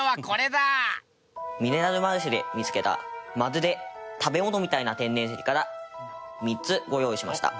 ミネラルマルシェで見付けたまるで食べ物みたいな天然石から３つご用意しました。